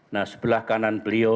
nah sebelah kanan beliau